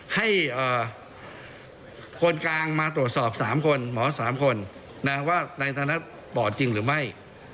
ให้คนกลางมาตรวจสอบ๓คนหมอ๓คนว่านายธนัดปอดจริงหรือไม่